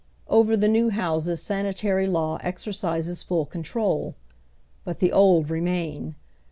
Over the new houses sanitary law exercises full controh But the old remain.